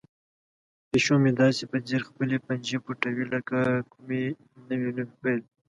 پیشو مې داسې په ځیر خپلې پنجې پټوي لکه د کومې نوې لوبې پیل.